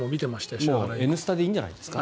もう「Ｎスタ」でいいんじゃないですか。